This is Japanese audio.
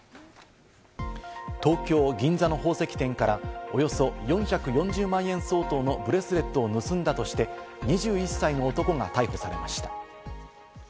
東京・銀座の宝石店からおよそ４４０万円相当のブレスレットを盗んだとして、２１歳の男が逮捕されました。